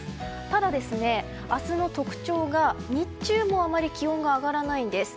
ただ、明日の特徴が日中も上がり気温が上がらないんです。